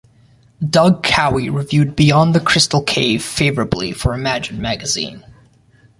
Doug Cowie reviewed "Beyond the Crystal Cave" favorably for "Imagine" magazine.